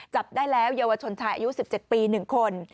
จับได้แล้วเยาวชนชายอายุ๑๗ปี๑คน